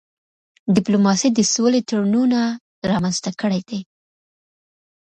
ډيپلوماسی د سولي تړونونه رامنځته کړي دي.